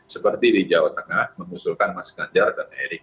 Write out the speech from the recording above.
seperti di jawa tengah mengusulkan mas ganjar dan erick